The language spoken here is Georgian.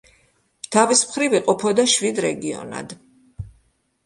თავის მხრივ იყოფოდა შვიდ რეგიონად.